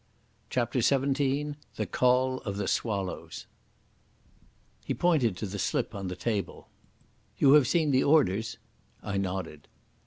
CHAPTER XVII The Col of the Swallows He pointed to the slip on the table. "You have seen the orders?" I nodded.